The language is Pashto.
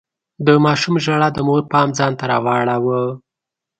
د ماشوم ژړا د مور پام ځان ته راواړاوه.